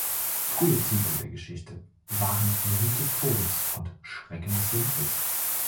Frühe Titel der Geschichte waren "Mond des Todes" und "Schrecken des Sumpfes".